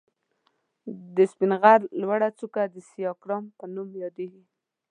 د سپين غر لوړه څکه د سيکارام په نوم ياديږي.